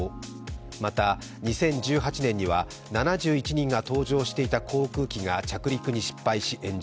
また、２０１８年には、７１人が搭乗していた航空機が着陸に失敗し炎上。